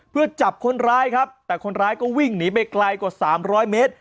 เพื่อจับคนร้ายครับแต่คนร้ายก็วิ่งหนีไปไกลกว่า๓๐๐เมตร